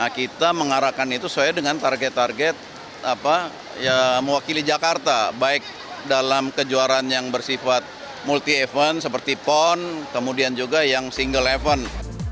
kita mengarahkan itu sesuai dengan target target mewakili jakarta baik dalam kejuaraan yang bersifat multi event seperti pon kemudian juga yang single event